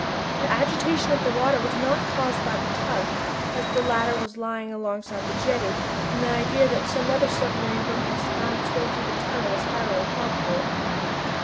The agitation of the water was not caused by the tug, as the latter was lying alongside the jetty, and the idea that some other submarine boat had found its way through the tunnel was highly improbable.